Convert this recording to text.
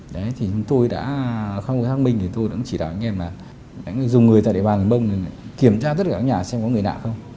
đấy thì chúng tôi đã khoa học thang minh thì tôi đã chỉ đạo anh em là dùng người tại địa bàn người mông kiểm tra tất cả các nhà xem có người nạ không